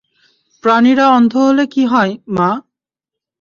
প্রাণীরা অন্ধ হলে কি হয়, মা?